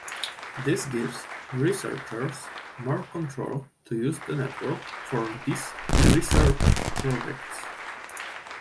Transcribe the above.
This gives researchers more control to use the network for these research projects.